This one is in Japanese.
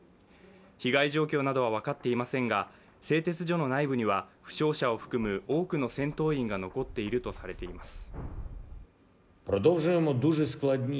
被害状況などは分かっていませんが製鉄所の内部には負傷者を含む多くの戦闘員が残っているとされています。